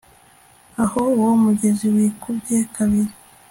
aho uwo mugezi wikubye kabiri